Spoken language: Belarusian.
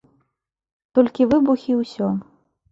Толькі выбухі і ўсё.